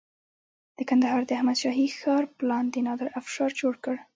د کندهار د احمد شاهي ښار پلان د نادر افشار جوړ کړ